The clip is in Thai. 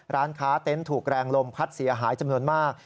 ร้านค้าเต็นต์ถูกแรงลมพัดเสียหายจำนวนมาก